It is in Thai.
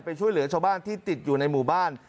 ช่วยเหลือชาวบ้านที่ติดอยู่ในหมู่บ้าน